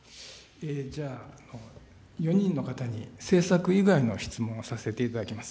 じゃあ、４人の方に、政策以外の質問をさせていただきます。